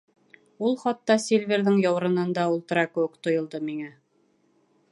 Ул хатта Сильверҙың яурынында ултыра кеүек тойолдо миңә.